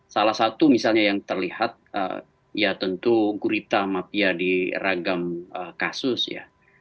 salah satu misalnya yang terlihat ya tentu gurita mafia di ragam kasus ya